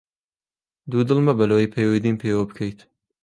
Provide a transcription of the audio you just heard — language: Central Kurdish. دوودڵ مەبە لەوەی پەیوەندیم پێوە بکەیت!